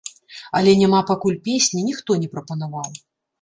Але няма пакуль песні, ніхто не прапанаваў.